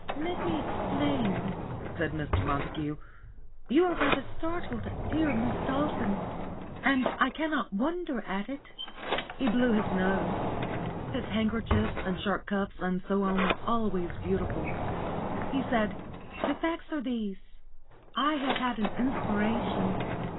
"Let me explain," said Mr. Montague. "You are rather startled, dear Miss Dolphin, and I cannot wonder at it." He blew his nose. His handkerchiefs and shirt cuffs and so on were always beautiful. He said: "The facts are these. I have had an inspiration.